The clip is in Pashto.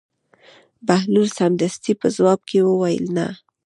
بهلول سمدستي په ځواب کې وویل: نه.